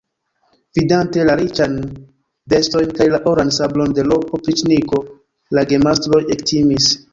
Vidante la riĉajn vestojn kaj la oran sabron de l' opriĉniko, la gemastroj ektimis.